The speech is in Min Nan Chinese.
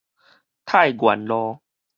太原路